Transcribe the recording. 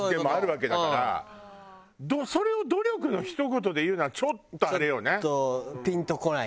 それを「努力」のひと言で言うのはちょっとあれよね。